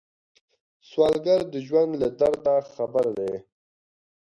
سوالګر د ژوند له درده خبر دی